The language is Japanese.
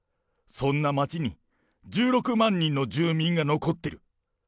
そんな町に、１６万人の住民が残っている。